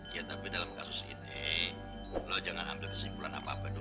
ya tapi dalam kasus ini lo jangan ambil kesimpulan apa apa dulu